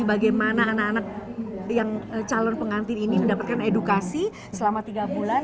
bagaimana anak anak yang calon pengantin ini mendapatkan edukasi selama tiga bulan